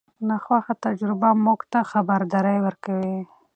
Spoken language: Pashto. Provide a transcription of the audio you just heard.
ناخوښه تجربه موږ ته خبرداری ورکوي.